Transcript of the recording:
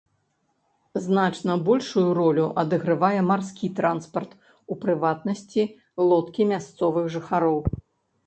Значна большую ролю адыгрывае марскі транспарт, у прыватнасці лодкі мясцовых жыхароў.